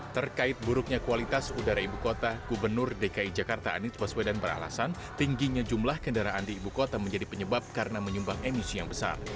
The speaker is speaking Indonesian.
terkait buruknya kualitas udara ibu kota gubernur dki jakarta anies baswedan beralasan tingginya jumlah kendaraan di ibu kota menjadi penyebab karena menyumbang emisi yang besar